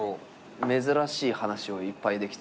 珍しい話をいっぱいできて。